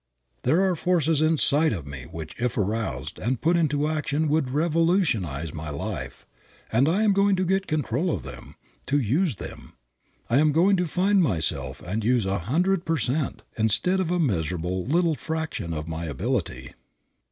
There are forces inside of me which if aroused and put into action would revolutionize my life, and I am going to get control of them, to use them. I am going to find myself and use a hundred per cent. instead of a miserable little fraction of my ability."